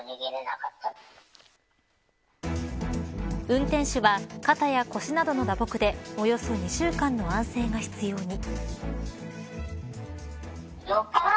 運転手は肩や腰などの打撲でおよそ２週間の安静が必要に。